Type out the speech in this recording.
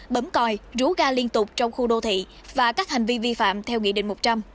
bấm coi rú ga liên tục trong khu đô thị và các hành vi vi phạm theo nghị định một trăm linh